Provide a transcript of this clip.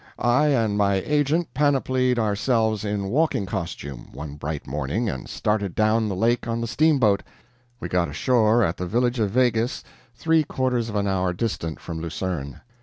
I and my agent panoplied ourselves in walking costume, one bright morning, and started down the lake on the steamboat; we got ashore at the village of Waeggis; three quarters of an hour distant from Lucerne.